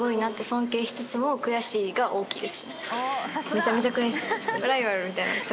めちゃめちゃ悔しいです。